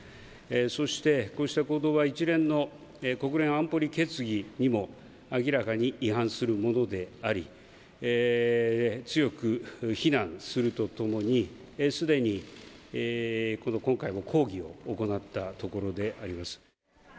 そしてこうした行動は一連の国連安保理決議にも明らかに違反するものであり、強く非難するとともに、すでに今回も抗議を行ったところであります。